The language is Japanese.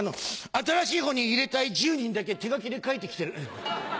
新しい方に入れたい１０人だけ手書きで書いてきてる」。